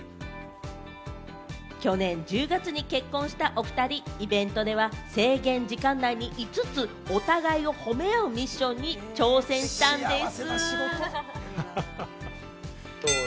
去年、１０月に結婚したおふたり、イベントでは制限時間内に５つ、お互いを褒め合うミッションに挑戦したんでぃす。